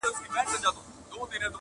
محتسب به له قمچیني سره ښخ وي،